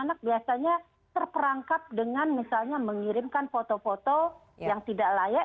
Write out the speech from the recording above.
anak biasanya terperangkap dengan misalnya mengirimkan foto foto yang tidak layak